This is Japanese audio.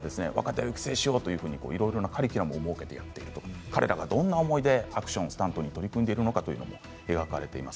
スタントマンの協会が若手を育成しようといろいろなカリキュラムを設けて彼らがどんな思いでアクションやスタントに取り組んでいるのか描かれています。